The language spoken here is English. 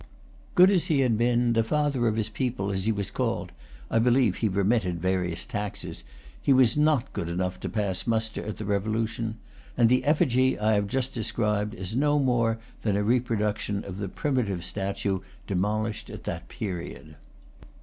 Good as he had been, the father of his people, as he was called (I believe he remitted various taxes), he was not good enough to pass muster at the Revolution; and the effigy I have just described is no more than a reproduction of the primitive statue demolished at that period.